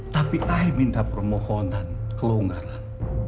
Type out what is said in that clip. tapi ai minta permohonan kelonggaran